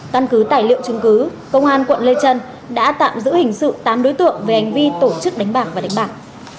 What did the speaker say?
căn cứ tài liệu chứng cứ công an quận lê trân đã tạm giữ hình sự tám đối tượng về hành vi tổ chức đánh bạc và đánh bạc